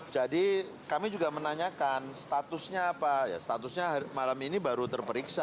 jadi kami juga menanyakan statusnya apa statusnya malam ini baru terperiksa